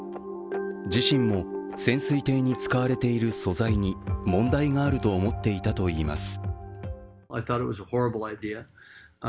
自身も、潜水艇に使われている素材に問題があると思っていたといいます。